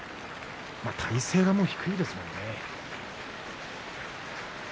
体勢が低いですね。